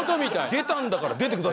出たんだから出てくださいよ。